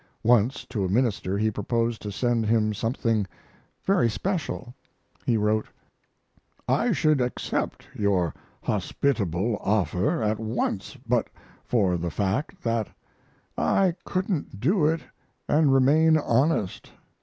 Once, to a minister who proposed to send him something very special, he wrote: I should accept your hospitable offer at once but for the fact that I couldn't do it and remain honest.